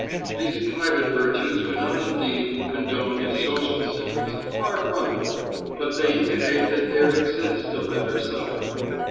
These private virtues do not indeed condone his social sins far from it but they indicate that there exists a better side.